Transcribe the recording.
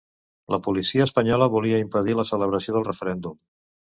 La policia espanyola volia impedir la celebració del referèndum.